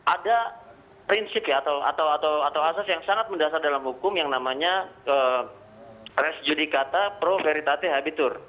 ada prinsip atau asas yang sangat mendasar dalam hukum yang namanya res judicata pro veritate habitur